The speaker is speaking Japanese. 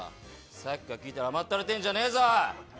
さっきから聞いてたら甘ったれてんじゃねえぞ。